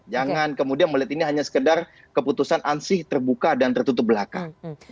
jangan kemudian melihat ini hanya sekedar keputusan ansih terbuka dan tertutup belakang